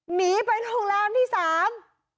หนีไปทางราวน์ที่สาม